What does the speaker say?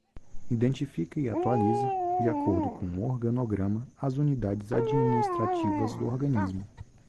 Identifica e atualiza, de acordo com o organograma, as unidades administrativas do organismo.